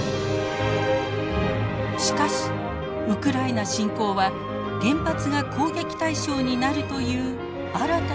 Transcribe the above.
しかしウクライナ侵攻は原発が攻撃対象になるという新たなリスクも浮き彫りにしました。